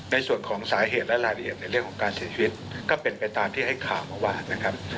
ในส่วนของสาเหตุและรายละเอียดในเรื่องของการเสียชีวิตก็เป็นไปตามที่ให้ข่าวมาว่านะครับ